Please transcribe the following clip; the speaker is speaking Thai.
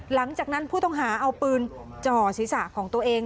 หลังจากนั้นผู้ต้องหาเอาปืนจ่อศีรษะของตัวเอง